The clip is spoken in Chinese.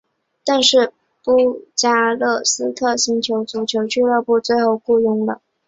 但是布加勒斯特星足球俱乐部最后雇佣了。